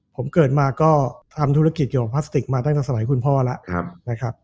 ผมเกิดมาก็ทำธุรกิจเกี่ยวกับพลาสติกมาตั้งแต่สมัยคุณพ่อแล้วนะครับ